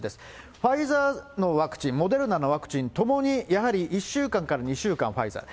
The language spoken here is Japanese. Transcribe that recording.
ファイザーのワクチン、モデルナのワクチンともにやはり１週間から２週間、ファイザー。